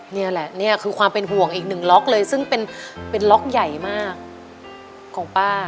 นี่แหละนี่คือความเป็นห่วงอีกหนึ่งล็อกเลยซึ่งเป็นล็อกใหญ่มากของป้า